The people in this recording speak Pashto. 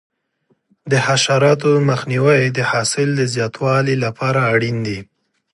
د حشراتو مخنیوی د حاصل د زیاتوالي لپاره اړین دی.